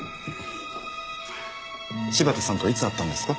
柴田さんとはいつ会ったんですか？